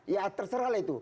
ya terserahlah itu